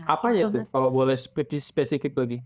apa ya itu kalau boleh lebih spesifik lagi